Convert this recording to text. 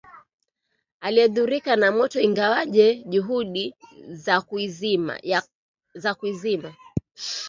aliyedhurika na moto ingawaje juhudi za kuuzima